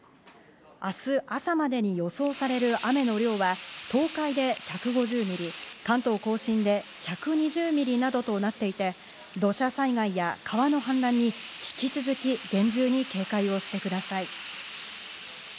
明日朝までに予想される雨の量は、東海で１５０ミリ、関東甲信で１２０ミリなどとなっていて、土砂災害や川の氾濫に引き続き厳重に警戒をしてください。